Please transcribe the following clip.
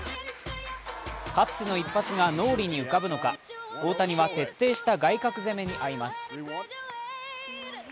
かつての一発が脳裏に浮かぶのか大谷は徹底した外角攻めにあいます。